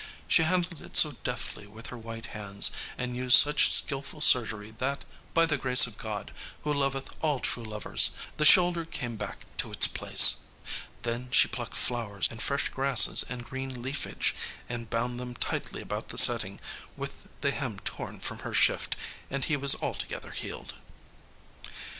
She handled it so deftly with her white hands, and used such skillful surgery that, by the grace of God, who loveth all true lovers, the shoulder came back to its place. Then she plucked flowers and fresh grasses and green leafage, and bound them tightly about the setting with the hem torn from her shift, and he was altogether healed."